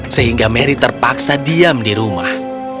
sehingga mary terpaksa diam di rumah